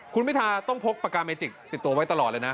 คุณพิทาต้องพกปากกาเมจิกติดตัวไว้ตลอดเลยนะ